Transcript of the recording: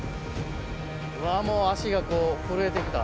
うわもう足がこう震えてきた。